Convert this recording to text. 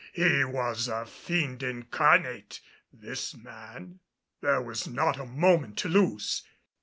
He was a fiend incarnate, this man. There was not a moment to lose.